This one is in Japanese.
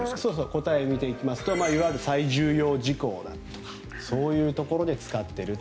答えを見ていきますといわゆる最重要事項だとかそういうところで使っている。